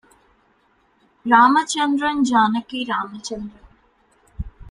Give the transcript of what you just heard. Ramachandran, Janaki Ramachandran.